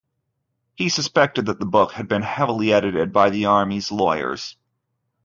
He suspected that the book had been heavily edited by the army's lawyers.